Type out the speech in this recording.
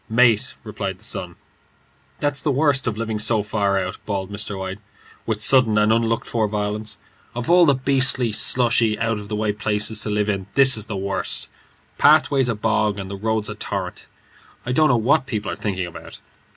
"Mate," replied the son. "That's the worst of living so far out," bawled Mr. White, with sudden and unlooked for violence; "of all the beastly, slushy, out of the way places to live in, this is the worst. Pathway's a bog, and the road's a torrent. I don't know what people are thinking about.